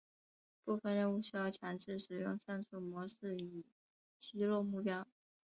部分任务需要强制使用上述模式以击落目标。